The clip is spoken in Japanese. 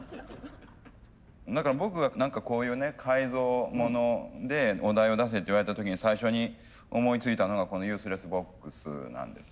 だから僕が何かこういうね改造ものでお題を出せって言われた時に最初に思いついたのがこのユースレスボックスなんですよ。